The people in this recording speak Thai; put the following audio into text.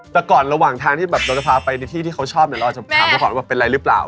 แต่ก่อนระหว่างทางที่แบบเราจะพาไปในที่ที่เขาชอบเนี่ยเราจะถามเขาก่อนว่าเป็นอะไรหรือเปล่า